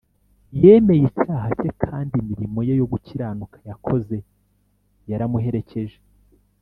yemeye icyaha cye kandi imirimo ye yo gukiranuka yakoze yaramuherekeje